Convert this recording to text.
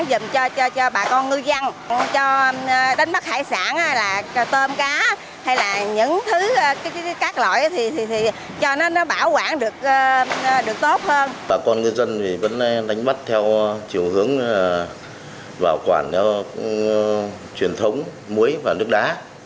đánh bắt theo chiều hướng bảo quản truyền thống muối và nước đá